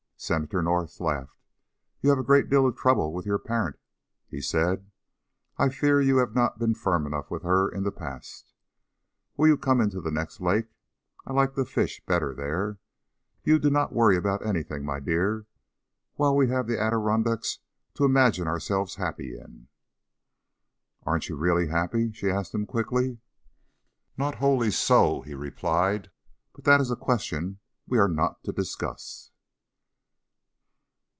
Senator North laughed. "You have a great deal of trouble with your parent," he said. "I fear you have not been firm enough with her in the past. Will you come into the next lake? I like the fish better there. You are not to worry about anything, my dear, while we have the Adirondacks to imagine ourselves happy in." "Ar'n't you really happy?" she asked him quickly. "Not wholly so," he replied. "But that is a question we are not to discuss."